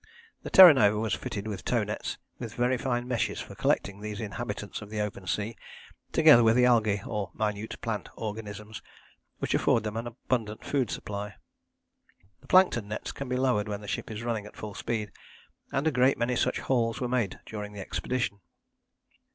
The Terra Nova was fitted with tow nets with very fine meshes for collecting these inhabitants of the open sea, together with the algae, or minute plant organisms, which afford them an abundant food supply. The plankton nets can be lowered when the ship is running at full speed, and a great many such hauls were made during the expedition.